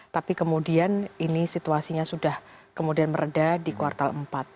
tapi kemudian ini situasinya sudah kemudian meredah di kuartal empat